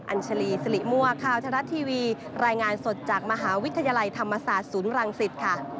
อัญชาลีสิริมั่วข่าวทรัฐทีวีรายงานสดจากมหาวิทยาลัยธรรมศาสตร์ศูนย์รังสิตค่ะ